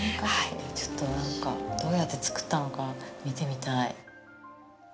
ちょっと、なんか、どうやって造ったのか見てみたい。